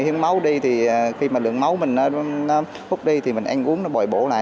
hiến máu đi thì khi mà lượng máu mình hút đi thì mình ăn uống bồi bổ lại